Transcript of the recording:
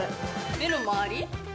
目の周り